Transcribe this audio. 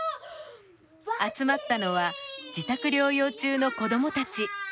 集まったのは自宅療養中の子どもたち。